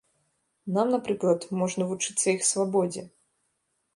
Нам, напрыклад, можна вучыцца іх свабодзе.